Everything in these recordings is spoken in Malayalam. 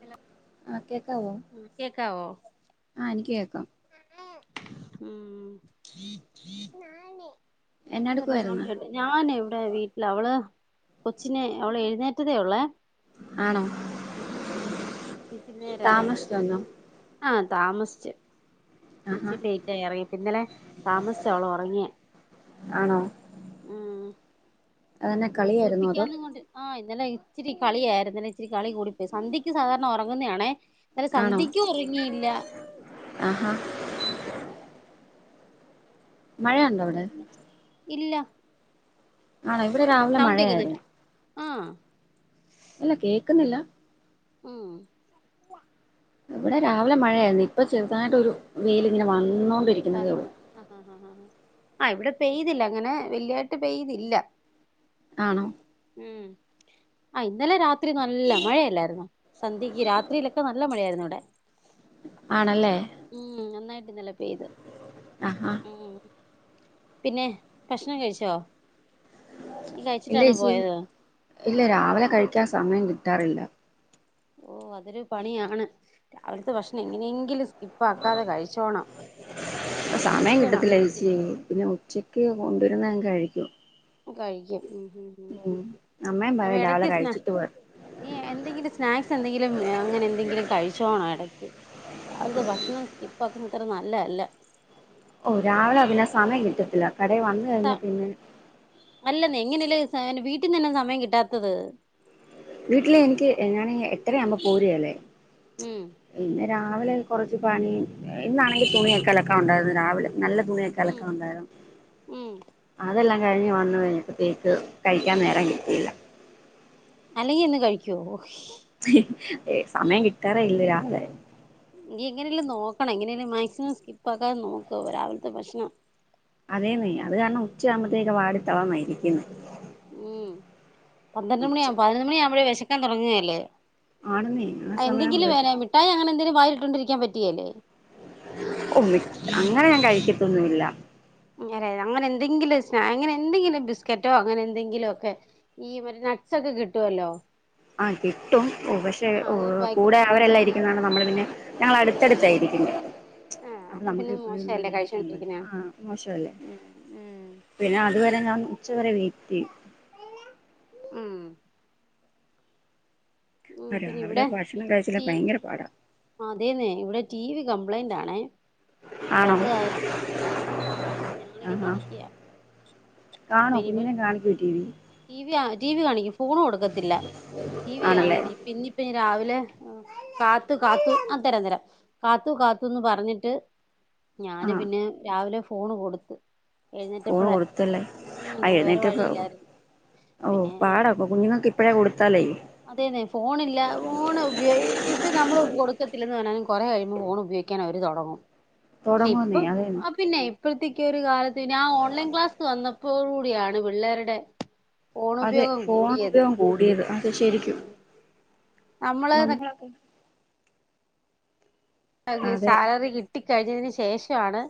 ഹലോ ആഹ കേക്കാവോ ആ എനിക്ക് കേക്കാം ഉം അതെന്നാ സൗണ്ട് എന്നാടുക്കുവായിരുന്നു കേട്ടെ ഞാനേ ഇടെ വീട്ടിൽ അവള് കൊച്ചിനെ അവള് എഴുന്നേറ്റതേ ഉള്ളേ ആണോ ഉം താമസ്‌ചോന്ന് ആഹ താമസിച്ച് ആഹാ എന്നച്ചി ലേറ്റാആയി ഇറങ്ങിയ പിന്നലെ താമസിച്ചാവളോ ഉറങ്ങിയേ ആണോ ഉം അതന്നെ കളിയായിരുന്നോ അതോ കുളിപ്പിക്കന്നു കൊണ്ട് ആഹ് ഇന്നാലെ ഇച്ചിരി കളിയായിരുന്നുന്നലെ ഇച്ചിരി കളി കൂടിപ്പോയി സന്ധ്യയ്ക്ക് സാധാരണ ഉറങ്ങുന്നതണേ ഇന്നലെ ആണോ സന്ധ്യയ്ക്കും ഉറങ്ങിയില്ല ആഹാ മഴയുണ്ടോ ഓ അവിടെ ഇല്ല ആണ ഇവിടെ രാവിലെ സൗണ്ട് കേക്കുന്നുണ്ട് മഴയായിരുന്നു ആഹ് ഇല്ലാ കേക്കുന്നില്ല ഉം ഇവിടെ രാവിലെ മഴയായിരുന്നു ഇപ്പൊ ചെറുതായിട്ട് ഒരു വെയില് ഇങ്ങനെ വാന്നു വന്നോ ആഹ് ആഹ് ആഹ് ആഹ് ആഹ് ഇവിടെ പെയ്തില്ല അങ്ങനെ വെല്യായിട്ട് പെയ്തില്ല ആണോ ഉം ആ ഇന്നലെ രാത്രി നല്ല മഴയല്ലായിന്നോ സന്ധ്യക്ക് രാത്രിയിലൊക്കെ നല്ല മഴായിരുന്നു ഇവിടെ ആണല്ലേ നന്നായിട്ട് യിട്ട് ഇന്നലെ പെയ്ത് ആഹാ ഉം പിന്നെ ഭക്ഷണം കഴിച്ചോ നീ ഇല്ല കഴിച്ചിട്ടാണോ ചേച്ചി പോയത് ഇല്ല രാവിലെ കഴിക്കാൻ സമയം കിട്ടാറില്ല ഓ അതൊരു പണിയാണ് രാവിലത്തെ ഭക്ഷണം എങ്ങനെയെങ്കിലും സ്കീപ്പ് അക്കാതെ കഴിച്ചോണം സമയം ശ്രമിക്കണം കിട്ടത്തില്ല ചേച്ചി പിന്നെ ഉച്ചക്ക് കൊണ്ടുവരുന്നഅങ്ങ് കഴിക്കും കഴിക്കും ഉം ഉം ഉം അമ്മേ അപ്പൊ പറയും രാവിലെ ഇടയ്ക്ക് സ്നാ കഴിച്ചിട്ട് പോകാൻ നീ എന്തെങ്കിലും സ്നാക്സ് എന്തെങ്കിലും അങ്ങനെ എന്തെങ്കിലും കഴിച്ചോണോ എടക്ക് രാവിലത്തെ ഭക്ഷണം സ്കിപ്പ് ആക്കുന്ന അത്ര നല്ലല്ല ഓ രാവിലെ പിന്നെ സമയം കിട്ടത്തില്ല കടടെ വന്ന് കഴിഞ്ഞാ പിന്നെ ഇങ്ങനെയല്ലേ വീട്ടിൽ നിന്ന് എന്നാ സമയം കിട്ടാത്തത് വീട്ടിലെ എനിക്ക് ഞാനെ എട്ടര ആകുമ്പോൾ പോരിയെല്ലേ ഉം പിന്നെ രാവിലെ കുറച്ച് പണി ഇന്നാണെങ്കിൽ തുണിക്കലൊക്കാ ഉണ്ടായിരുന്നു രാവിലെ നല്ലതുണിഒക്കെ ഉം അലക്കാൻ ഉണ്ടാരുന്നു ഉം അതെല്ലാം - കഴിഞ്ഞ് വന്നു കഴിഞ്ഞപ്പാതേക്ക് കഴിക്കാൻ നേരം കിട്ടിയില്ല അല്ലെങ്കി ഇന്ന് കഴിക്കുവോ ഏ സമയം കിട്ടാറെ ഇല്ല രാവിലെ എനി എങ്ങനെലും നോക്കണം എങ്ങനെലും മാക്സിമം സ്കിപ്പ ആക്കാതെ നോക്കോ രാവിലത്തെ ഭക്ഷണം അതേന്നെയ അത് കാരണം ഉച്ചയാമ്പഴത്തേക്ക് വാടിതളർന്നയിരിക്കുന്നെ ഉം പന്ത്രണ്ട് ഉച്ച മണിയാവുമ്പ പതിനൊന്ന് മണിയാവുമ്പോഴേ വിശക്കാൻ തുടങ്ങിയല്ലേ ആണെന്നേ ആ സമയം എന്തെങ്കിലും വേന വിശക്കും മിഠായി അങ്ങനെ എന്തെങ്കിലും വായില ഇട്ടോണ്ടിരിക്കാൻ പറ്റിയല്ലേ ഒ മിഠ അങ്ങനെ ഞാൻ കഴിക്കത്തൊന്നുമല്ല അതെ അങ്ങനെ എന്തെങ്കിലും സ്‌ന അങ്ങനെ എന്തെങ്കിലും ബിസ്ക്കറ്റോ അങ്ങനെ എന്തെങ്കിലുമ ഒക്കെ ഈ നട്സ്ഒക്കെ - കിട്ടുവല്ലോ ആഹ് കിട്ടും ഓ പക്ഷെ ആ അതൊരു കൂടെ പാക്കറ്റെങ്കില് അവരെല്ലാം ഇരിക്കുന്നകാരണം നമ്മള് പിന്നെ ഞങ്ങളാ അടുത്തടുത്തായിരിക്കുന്നെ ആ അപ്പൊ നമുക്ക് പിന്നെ ഇപ്പോഴും മോശല്ലേ അങ്ങനെ കഴിക്കാൻ കഴിച്ചോണ്ടിരിക്കുന്നെ ആഹ മോശല്ലേ ഉം ഉം പിന്നെ അതുവരെ ഞാൻ എന്താ ഉച്ച വരെ വെയിറ്റ് ചെയ്യും ഉം ഉം പിന്നെ രാവിലെ ഇവിടെ ഭക്ഷണം കഴിച്ചില്ല റ്റി ഭയങ്കര പാടാ അതെന്നെ ഇവിടെ ടി വി കം- പ്ലെയിന്റാണെ അപ്പൊ ആണോ അത് കാരണം ഞങ്ങളിങ്ങനെ ആഹാ ഇരിക്കയാ അപ്പോ കാണോ ഇനി ഇവി കുഞ്ഞിനെ കാണിക്കോ ടി വി ടി വി കാണിക്കും ഫോൺ കൊടുക്കത്തില്ല രാത്രി ആണല്ലേ കാണിക്കില്ല പിന്നെ ഇപ്പം രാവി- രാവിലെ കാത്തു കാത്തു ആ തരാം തരാം കാത്തു കാത്തുന്ന് പറഞ്ഞിട്ട് ഞാന് ആഹ് പിന്നെ രാവിലെ ഫോണ് കൊടുത്ത് ഫോണ് എഴുന്നേറ്റപ്പളെ കൊടുത്തല്ലേ ഉം ആ വേറെ എഴുന്നേറ്റപ്പം വഴിയില്ലായിരുന്നു ഓ പാടപ്പാ കുഞ്ഞിങ്ങക്ക്ക്കെ ഇപ്പോഴേ കൊടുത്താലേ അതെന്നെ ഫോണില്ല ഫോൺ ഉപയോഗം ഇപ്പൊ നമ്മള് കൊടുക്കത്തില്ലന്ന് പറഞ്ഞാലും കൊറെ കഴിയുമ്പോ ഫോൺ ഉപയോഗിക്ക ഉപയോഗിക്കാൻ അവര് തുടങ്ങും പക്ഷെ ഇപ്പൊ തുടങ്ങുന്നേ അതെ ആ പിന്നെ അപ്പോഴത്തേക്ക് ഒരു കാലത്ത് ഞാൻ ഓൺലൈൻ ക്ലാസ്സ് വന്നപ്പോ കൂടിയാണ് പിള്ളേരുടെ ഫോൺ അതെ ഉപയോഗം ഫോൺ കൂടിയത് ഉപയോഗം കൂടിയത് അത് ശരിക്കും നമ്മള് നന്മളെക്കെ അതെ സാലറി കിട്ടിക്കഴിഞ്ഞതിന് ശേഷമാണ്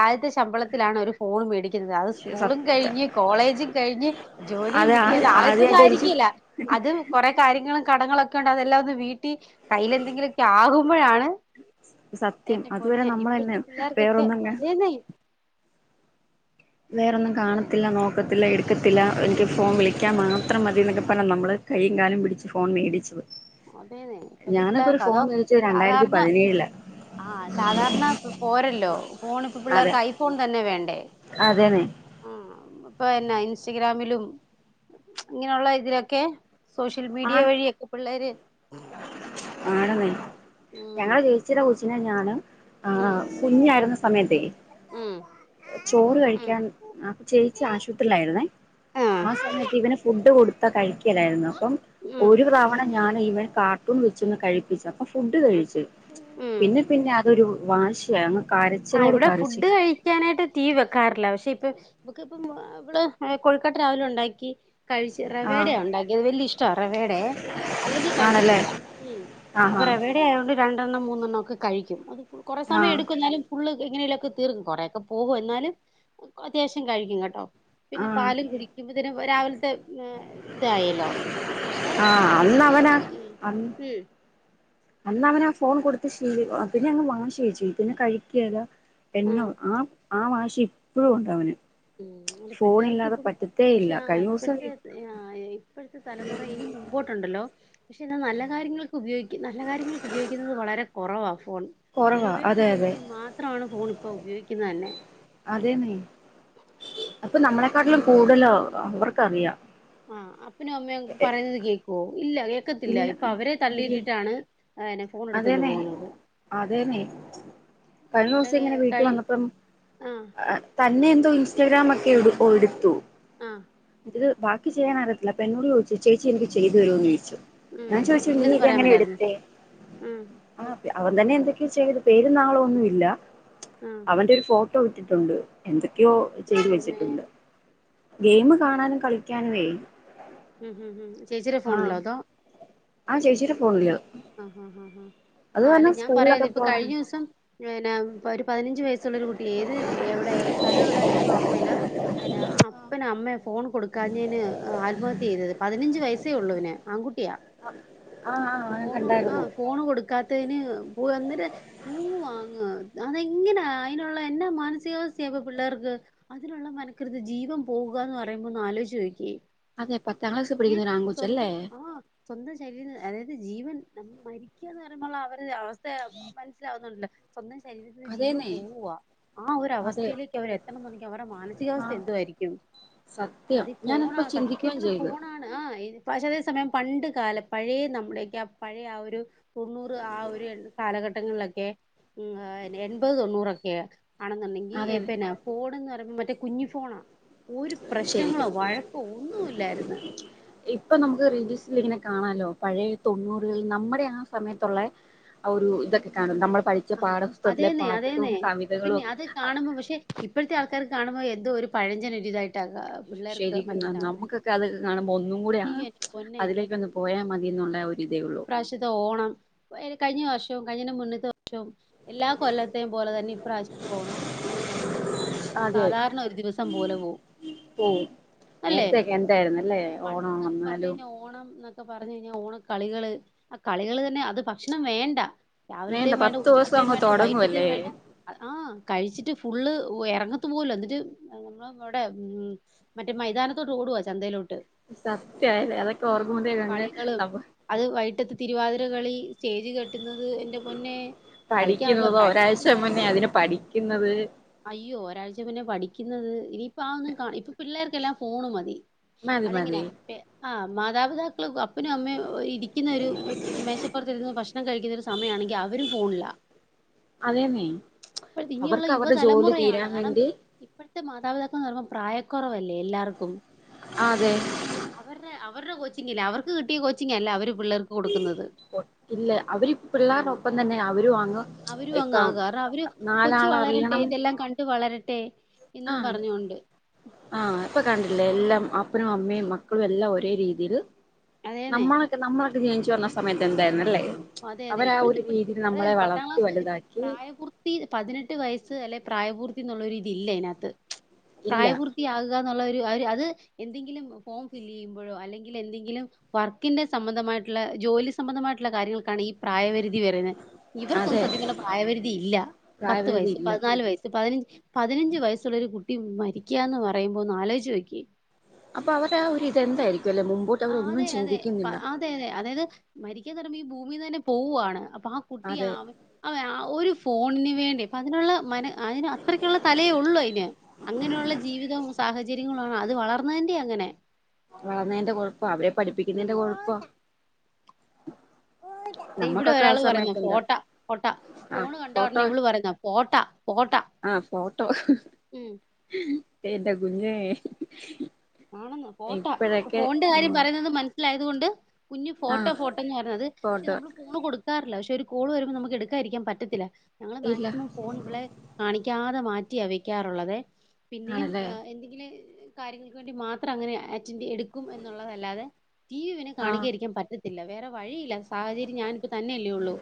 ആദ്യത്തെ ശമ്പളത്തിലാണ് ഒരു ഫോൺ മേടിക്കുന്നത് അത് സ്കൂളും സത്യ കഴിഞ്ഞ് കോളേജും കഴിഞ്ഞ് ജോലിയും കിട്ടിയ അത് ആദ്യത്തെ ആദ്യമായിട്ടൊരു ആയിരിക്കല്ല അത് കൊറെ കാര്യങ്ങള് കടങ്ങളൊക്കെ ഉണ്ട് അതെല്ലാം ഒന്ന് വീട്ടി കയ്യിൽ എന്തെങ്കിലുമൊക്കെ ആകുമ്പോഴാണ് സത്യം എന്റെ അതുവരെ പൊന്നെ നമ്മളന്നെ ഇപ്പഴത്തെ പിള്ളേർക്കൊക്കെ വേറൊന്നും അതേന്നെ വേറൊന്നും കാണത്തില്ല നോക്കത്തില്ല എടുക്കത്തില്ല എനിക്ക് ഫോൺ വിളിക്കാൻ മാത്രം മതി എന്നൊക്കപ്പറഞ്ഞ് നമ്മള് കയ്യും കാലും പിടിച്ച് ഫോൺ മേടിച്ചത് അതേന്നെ ഇപ്പത്തെ ഞാനൊക്കെ ഒരു പിള്ളേർക്കേ ഫോൺ അതോ മേടിച്ചത് രണ്ടായിരത്തി സാധാരണ പതിനേഴിലാ ആ സാധാരണ പോരല്ലോ ഫോൺ ഇപ്പ അതെ പിള്ളേർക്ക് ഐഫോൺ തന്നെ വേണ്ടേ അതെന്നെ ആ ഇപ്പ ഇ- ഇൻസ്റ്റഗ്രാമിലും ഇങ്ങനെയുള്ള ഇതിലൊക്കെ സോഷ്യൽ മീഡിയ വഴിയൊക്കെ പിള്ളേർ ആണനെ ഉം ഞങ്ങടെ ചേച്ചീടെ കൊച്ചിനെ ഞാന് ആ ഉം കുഞ്ഞായിരുന്ന സമയത്തേ ഉം ചോറ് ഉം കഴിക്കാൻ അപ്പൊ ചേച്ചി ആശുപത്രിയിലായിരുന്നേ ആഹ് ആ സമയത്ത് ഇവന് ഫുഡ് കൊടുത്താ കഴിക്കിലായിരുന്നു അപ്പം ഉം ഒരു തവണ ഞാൻ ആണ് ഇവൻ കാർട്ടൂൺ വെച്ചൊന്ന് കഴിപ്പിച്ച അപ്പൊ ഫുഡ് ഉം കഴിച്ചു ഉം പിന്നെ പിന്നെ അതൊരു വാശിയാണ് ആ ഇവിടെ ഫുഡ് കഴിക്കാനായിട്ട് റ്റി വി വെക്കാറില്ല പക്ഷെ ഇപ്പ നമുക്ക് ഇപ്പം ഇവള് കൊഴുക്കട്ട രാവിലെ ഉണ്ടാക്കി കഴിച്ചച്ച് ആഹ് റവേഡയാ ഉണ്ടാക്കിയത് വലിയ ഇഷ്ടമാണ് റവേഡ അല്ലെങ്കി ആണല്ലേ കഴിക്കത്തില്ല ഉം അപ്പൊ ആഹാ റെവേഡയാതൊണ്ട് രണ്ടെണ്ണം മൂന്നെണ്ണം ഒക്കെ കഴിക്കും അത് കുറെേ സമയം ആഹ് എടുക്കുന്നാലും ഫുള്ള് എങ്ങനെലൊക്കെ തീർക്കും കുറേയൊക്കെ പോകും എന്നാലും അത്യാവശ്യം കഴിക്കും കേട്ടോ പിന്നെ ആഹ് പാലും കുടിക്കുമ്പത്തെന് രാവിലത്തെ ഇതായല്ലോ പക്ഷ ആഹ് അന്ന് ടി അവനാ വി ഉം അന്ന് അന്ന് അവനാ ഫോൺ കൊടുത്ത് ശില പിന്നെ അങ്ങ് വാശിയാ ചേച്ചി പിന്നെ കഴിക്കേല്ല എന്നോ ആഹ് ആ ആ വാശി ഇപ്പോഴും ഉണ്ട് അവന് ഉം അല്ല ഫോണില്ലാതെ പിള്ളേർക്ക്പ്പം പറ്റത്തേ പക്ഷേ ഇല്ല ആഹ് കഴിഞ്ഞ ദിവസം ഇപ്പഴത്തേ ആ ഇപ്പഴത്തേ തലമുറ ഇനി മുമ്പോട്ട്ണ്ടല്ലോ പക്ഷേ എന്നാ നല്ല കാര്യങ്ങൾക്ക് ഉപയോക്കും നല്ല കാര്യങ്ങൾക്ക് ഉപയോഗിക്ക്ന്നത് വളരെ കൊറവാ ഫോൺ കുറവാ ദുരുപയോഗം അതെ ചെയ്യാ അതെ വേണ്ടി മാത്രവാണ് ഫോൺ ഇപ്പൊ ഉപയോഗിക്കിന്നെ തന്നെ അതേന്നെ അപ്പം നമ്മളെക്കാട്ടിലും കൂടുതലോ അവർക്കറിയാ ആഹ് അപ്പനും അമ്മയും പറയുന്നത് കേൾക്കോ ഇല്ലാ കേക്കത്തില്ല ഇപ്പൊ അവരെ തള്ളിയിട്ടിട്ടാണ് അനെ ഫോൺ എടുത്തോണ്ട് അതേന്നേ പോകുന്നത് അതേന്നേ ഇവിടെ കഴിഞ്ഞോസങ്ങനെ വീട്ട് കഴി വന്നപ്പം ആ ആഹ് തന്നെ തും ഇൻസ്റ്റഗ്രാമക്കെ എടു ഒടുത്തു ആഹ് ഇത് ബാക്കി ചെയ്യാൻ അറിയത്തില്ല അപ്പെന്നോട് ചോയിച്ചു ചേച്ചി എനിക്ക് ചെയ്തരോന്ന് ചോയിച്ചു ഉം ഞാൻ ചോയിച്ചു നീ ഇല്ലെന്ന് പറയാൻ ഇതങ്ങനെ മേലായിരുന്നു എട്ത്തേ ഉം അവൻ തന്നെ എന്തൊക്കെയൊ ചെയ്ത് പേരും നാളും ഒന്നുല്ല ആ അവന്റെ ഒരു ഫോ ട്ടൊ ഇട്ടിട്ടുണ്ട് എന്തൊക്കെയോ ചെയ്ത് ദൈവമേ. വെച്ചിട്ടുണ്ട് ഗെയിമ്കാണാനും കളിക്കാനുവെ ഉം ഉം ഉം ചേച്ചിടെ ഫോണ്ലോ അതോ ആഹ് ചേച്ചിടെ ഫോണ്ല് ആ ആ ആ ആ അല്ലെ ഞാൻ പറയാത് സ്കൂളിലൊക്കെ ഇപ്പൊ പോവാൻ കഴിഞ്ഞ ദിവസം ന്നെ പിന്നെഒരു പതിനഞ്ചു വയസ്സുള്ളരു കുട്ടി ഏത് ഏ വിടെ സ്ഥലം എവിടാന്ന് എനിക്ക്ഓർമയില്ല എന്ന അപ്പനോ അമ്മയോ ഫോൺ കൊടു കാഞ്ഞേന് ആത്മഹത്യ ചെയ്തത് പതിനഞ്ച് വയസ്സേ ഉള്ളൂ അവന് ആൺകുട്ടിയാ ആഹ ഫോണ് ആ ഫോണ് കൊടുക്കാത്തതിന് പോ വന്നിര ഓ വാങ്ങാഅതെങ്ങനെ അയിനുള്ള എന്നാ മാനസികാവസ്ഥയ ഇപ്പൊ പിള്ളേർക്ക് അതി ഉള്ളമനക്കൃത് ജീവൻ പോകുകന്ന് പറുമ്പോ ഒന്ന്ആലോയ്ച്ച് നോക്കേ അതെ പത്താം ക്ലാസ് പിഠിക്കുന്ന ഒരാൺ കൊച്ച് ആ സ്വന്തം ശരീരം അതായത് ജീവൻ നമ്മെ മരിക്യാന്ന് പറയുമ്പോ അവരുടെ അവസ്ഥ മനസ്സിലാവുന്നുണ്ടല്ലോ സ്വന്തം ശരീരത്തിന് ജീവൻ അതേന്നെ പോവാ ആ ഒരു അതെ അവസ്ഥയിലേക്ക് അവർ എത്തണന്നുണ്ടങ്കിൽ അവ മാനസികാവസ്ഥ ആഹ് എന്തു വയിരിക്കും സത്യം അത് ഫോണാണ്ന്ആ ഞാനപ്പോ സത്യ ചിന്തിക്കുകയും ചെയ്തു ത്തിലുംഫോണാണ് പക്ഷ അതേ സമയം പണ്ട് കാല പഴയ നമ്മഡേ എനിക്ക് ആപഴയ ആ ഒരു തൊണ്ണൂറ് ആ ഒരു കാലഘട്ടങ്ങളിലൊക്കെ എൺപത് തൊണ്ണൂറൊക്കെയാ ആണെന്നുണ്ടെങ്കി അതെന്നെ പിന്നെ ഫോൺന്ന് പറയുമ്പോ മറ്റേ കുഞ്ഞു ഫോണാ ഒരു പ്രശ്നങ്ങളോ ശരിക്കും വഴക്കോ ഒന്നു ല്ലായിരുന്ന് ഇപ്പൊ നമുക്ക് റീൽസിൽ ഇങ്ങനെ കാണാലോ പഴയ എന്തെങ്കിലും കാണാല്ലോ പഴയ തൊണ്ണൂറുകളിൽ നമ്മുടെ ആ സമയത്തുള്ള ആ ഒരു ഇതൊക്കെ കാണുന്നു നമ്മ ആ അതെന്നെ അതെന്നെ കവിതകളും പിന്നെ അത് കാണുമ്പോ പക്ഷെ ഇപ്പോഴത്തെ ആൾക്കാര ആൾക്കാർ കാണുമ്പോ എന്തോ ഒരു പഴഞ്ചൻ ഇതായി ശരിക്കും നമുനമ്മുക്കൊക്കെ അതൊക്കെ കാണുമ്പോ ഒന്നും അയ്യോ എന്റെ പൊന്നെ കൂടെഅതിലേക്ക് ഒന്ന് പോയാ മതി എന്നുള്ള ഒരിതേ ഉള്ളൂ ഇപ്രാവശ്യത്തെ ഓണം ഏനി കഴിഞ്ഞ വർഷവും കഴിഞ്ഞന്റെ മുന്നത്തെ വർഷവും എല്ലാ കൊല്ലത്തെയ പോലെ തന്നെ പ്രാവശ്യത്ത ഓണം ഇങ്ങനെ തന്നെ അങ പോവും അതെ സാധാരണ ഒരു ദിവസം പോലെ പോവും പോവും അല്ലെ നേരത്തെയൊക്കെ എന്തായിരുന്നല്ലേ ഓണം പണ്ടെന്നൊക്കെ പറഞ്ഞു വന്നാലും കഴിഞ്ഞാ ഓണം എന്നൊ ക്കെ പറഞ്ഞു കഴിഞ്ഞാൽ ഓണക്കളികള് ആ കളികള് തന്നെ അത് ഭക്ഷണം വേണ്ട രാവിലത്തെയും വേണ്ട പത്ത് ദിവസം ഉച്ചക്കത്തെയും അങ്ങ് വേണ്ട വൈകട്ടത്തെയും തുടങ്ങുവല്ലേ വേണ്ട ആഹ കഴിച്ചിട്ട് ഫുള്ള് ഊഹ് എറങ്ങത്തു പോൽല എന്നിട്ട് നമ്മ ഇവടെ മറ്റേ മൈതാനത്തോട്ട് ഓടുവ ചന്തയിലോട്ട് സത്യായില്ലേ അതൊക്കെ ഉം ഓർക്കുമ്പോതേക്കങ്ങ് കളികളും അപ്പൊ അത് വൈട്ടത്ത് തിരുവാതിര കളി സ്റ്റേജ് കെട്ടുന്നത് എന്റെ പൊന്നെ കളിക്കാനുള്ള പഠിക്കുന്നുന്നതോ പ്രാക്ടീസും ഒരാഴ്ച മുന്നേ കാര്യങ്ങളും അതിന് പഠിക്കുന്നത് അയ്യോ ഒരാഴ്ച പിന്നെ പഠിക്കുന്നത് ഇനിയിപ്പ ആ ഒന്നും കാ ഇപ്പ പിള്ളേർക്കെല്ലാം ഫോണ് മതി. മാം അതെങ്ങനെ പെ ആഹ് മാതാപിതാക്കൾ അപ്പനും അമ്മയും ഇരിക്കുന്ന ഒരു മേശപ്പുറത്തിരുന്നു ഭഷ് കഴിക്കുന്നരു സമയ ആണെങ്കിൽ അവരും ഫോണില്ലാ അതെന്നെ അവർക്ക് അവരുടെ ജോലി തീരാൻ വേണ്ടി മാതാപിതാക്കളെന്ന് പറയ്പൾ പ്രായക്കുറവല്ലേ എല്ലാവർക്കും അതെ അതെ അവരുടെ അവരുടെ കോച്ചിങ്ങില്ല അവർക്ക് കിട്ടിയ കോച്ചിങ്ങല്ല അവര് പിള്ളേർക്ക് കൊടുക്കുന്നത് ഇല്ല അവര് ഉം പിളളാരുടെ ഒപ്പം തന്നെ അവരും അങ്ങ് അവരും അങ്ങ്ക ഇപ്പം കാരണം അവര് കൊച്ചു നാലാള വളരട്ടെ ഇതെല്ലാം കണ്ട് വളരട്ടെ എന്നും ആഹ പറഞ്ഞോണ്ട് ആഹ ഇപ്പൊ കണ്ടില്ലേ എല്ലാം അപ്പനും അമ്മയും മക്കളും എല്ലാം ഒരേ രീതിയിൽ അതേന്നെ നമ്മളൊക്കെ നമ്മളൊക്കെ ജീവിച്ചു വന്ന സമയത്ത് എന്തായിരുന്നല്ലേ അതെ അതെ അവരാ ഇപ്പോഴത്തെ ഒരു രീതിയിൽ അത നമ്മളെ പത്താം വളർത്തി ക്ലാസ് വലുതാക്കി പ്രായപൂർത്തി പതിനെട്ട് വയസ്സ് അല്ലെ പ്രായപൂർത്തി എന്നുള്ള ഇതില്ല അതിനകത്ത് ഇല്ല പ്രായപൂർത്തിയാകുക അത് എന്തെങ്കിലും ഫോം ഫിൽ ചെയ്യുമ്പോഴോ അല്ലെങ്കിൽ എന്തെങ്കിലും വർക്കിന്റെ സംബന്ധമായിട്ട ജോലി സംബന്ധമായിട്ടുള്ള കാര്യങ്ങൾക്കാണ് ഈ പ്രായപരിധി ഇവർക്കൊന്നും അതെ സത്യം പ്രായപരിധി ഇല്ല പത്ത് പ്രായപരിധി വയസ് ഇല്ല പതിനാല് വയസ് പതിനഞ്ച് പതിനഞ്ച് വയസ്സുള്ള ഒരു കുട്ടി മരിക്കാന്ന് പറയുമ്പോ ഒന്നാലോചിച്ചു നോക്കിയേ അപ്പൊ അവർ ഒരു ഇതെന്തായിരിക്കും അല്ലെ മുമ്പോട്ട് അവര ഒന്നും ചിന്തിക്കുന്നില്ല മരിക്കാ പറുമ്പോ ഈ ഭൂമിന്ന് തന്നെ പോവുവാണ് അപ്പൊ ആ കുട്ടി ആ അതെ അവ ആ ഒരു ഫോണിന് വേണ്ടി അപ്പോ അതിനുള്ള മന അതിന് അത്രയ്ക്കുള്ള തലേ ഉള്ളൂ അന് അങ്ങനെയുള്ള ജീവിതവും സാഹചര്യങ്ങളാണ് അത് വളർന്നതിന്റെ അങ്ങനെ വളർന്നതിന്റെ കൊഴപ്പോ അവരെ ഉം പഠിപ്പിക്കുന്നതിന്റെ കൊഴപ്പാ ഓട്ട ഇവിടെ ഒരാള് പറയുന്ന പോട്ടാ പോട്ടാ ആ ഫോണ് കണ്ട പറഞ്ഞ ഫോട്ടോ ഇവള് പറയുന്ന പോട്ടാ പോട്ടാ ആ ഫോട്ടോ ഉം എതാ കുഞ്ഞേ ആണെന്ന് പോട്ടെ ഇ ഇപ്പോഴൊക്കെ ഫോണന്റെ കാര്യം ഉം പറയുന്നത് മനസ്സിലായതുകൊണ്ട് കുഞ്ഞു ആ ഫോട്ടോ ഫോട്ടോ എന്ന് പറഞ്ഞത് പക്ഷെ ഫോട്ടോ നമ്മള് ഫോണ് കൊടുക്കാറില്ല പക്ഷെ ഒരു കോൾ വരുമ്പോൾ നമുക്ക് എടുക്കാരിക്കാൻ പറ്റത്തില്ല ഞങ്ങൾ ഇല്ല മാക്സിമം ഫോൺ ഇവളെ കാണിക്ക മാറ്റി വക്കാറുള്ളത് പിന്നെയും ആണല്ലേ എന്തെങ്കിലും കാര്യങ്ങൾക്ക് വേണ്ടി മാത്രം അങ്ങനെ എടുക്കും എന്നുള്ളതല്ലാതെ ടി വി പിന്നെ ആ കാണിക്കയിരിക്കാൻ പറ്റത്തില്ല വേറെ വഴിയില്ല സാഹചര്യം ഞാനിപ്പോൾ തന്നെല്ലേ ഉള്ളൂ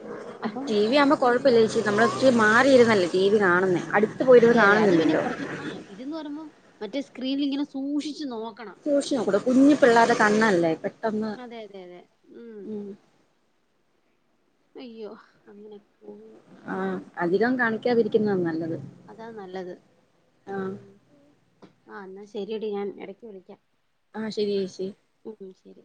അപ്പം ടി ആവുമ്പോ ടി വി കാ കുഴപ്പമില്ല ചേച്ചി നമ്മള് ഇച്ചിരി മാറിയിരുന്നല്ലേ ടി വി കാണുന്നേ അടുത്ത് പോയിരുന്ന് അതെ അതെ അത് പിന്നെ കാണുന്നില്ലല്ലോ കുറച്ച് ആ ഇതന്ന് പറയുമ്പോൾ മറ്റേ സ്ക്രീനിൽ ഇങ്ങനെ സൂക്ഷിക്ക സൂക്ഷിച്ചു നോകൂടെ കുഞ്ഞി പിള്ളാതെ കണ്ണല്ലേ പെട്ടന്ന് അതെ അതെ അതെ ഉം ഉ അയ്യോ അങ്ങനെയൊക്കെ പോന്നു ആഹ അധികം കാണിക്കാതിരിക്കുന്നതാണ് നല്ലത് അതാ നല്ലത് ആഹ് ആഹ എന്നാ ശരിയടി ഞാൻ ഇടക്ക് വിളിക്കാം ആഹ ശരി ചേച്ചി ഇരി